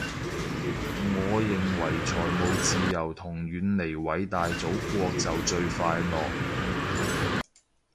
我認為財務自由同遠離偉大祖國就最快樂